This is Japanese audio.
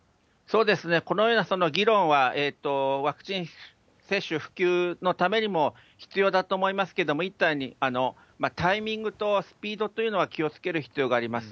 このような議論はワクチン接種普及のためにも必要だと思いますけれども、いいタイミングとスピードというのは気をつける必要があります。